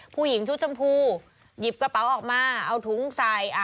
ผู้หญิงชุดชมพูหยิบกระเป๋าออกมาเอาถุงใส่